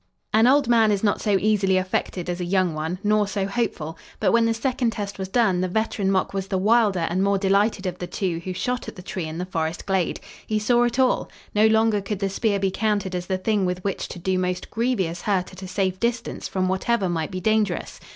An old man is not so easily affected as a young one, nor so hopeful, but when the second test was done the veteran Mok was the wilder and more delighted of the two who shot at the tree in the forest glade. He saw it all! No longer could the spear be counted as the thing with which to do most grievous hurt at a safe distance from whatever might be dangerous.